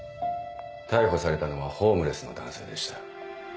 逮捕されたのはホームレスの男性でした。